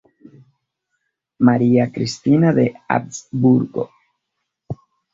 María Cristina de Habsburgo.